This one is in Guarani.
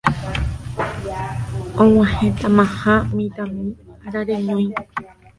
Og̃uahẽtamaha mitãmi arareñói